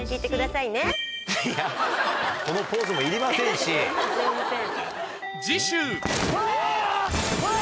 いや、このポーズもいりませすみません。